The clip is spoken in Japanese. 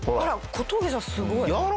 小峠さんすごい。